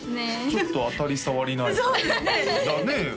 ちょっと当たり障りないそうですね